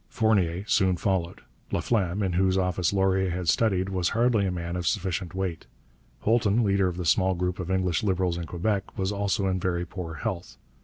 Fournier soon followed. Laflamme, in whose office Laurier had studied, was hardly a man of sufficient weight. Holton, leader of the small group of English Liberals in Quebec, was also in very poor health.